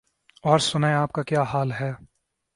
اور سنائیں آپ کا کیا حال ہے؟